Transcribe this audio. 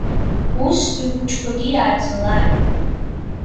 Ус ихәыҷқәагьы иааӡалааит!